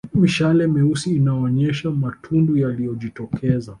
Mishale meusi inaonyesha matundu yaliyojitokeza